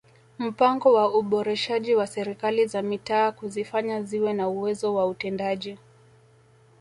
Mpango wa uboreshaji wa Serikali za Mitaa kuzifanya ziwe na uwezo wa utendaji